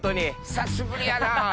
久しぶりやなぁ。